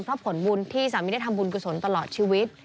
เพราะผลบุญที่สามีได้ทำบุญกุศลตลอดชีวิต